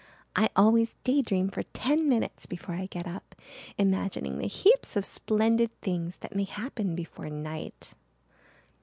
I always day dream for ten minutes before I get up, imagining the heaps of splendid things that may happen before night."